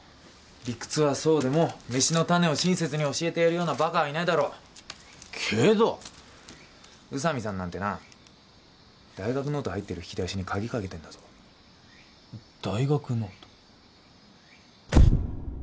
理屈はそうでも飯の種を親切に教えてやるようなバカはいないよけど宇佐美さんなんてな大学ノート入ってる引き出しに鍵かけてんだぞ大学ノート？